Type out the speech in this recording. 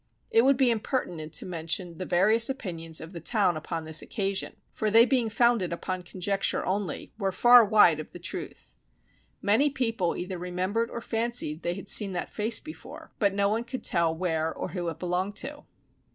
It would be impertinent to mention the various opinions of the town upon this occasion, for they being founded upon conjecture only, were far wide of the truth. Many people either remembered or fancied they had seen that face before, but none could tell where or who it belonged to.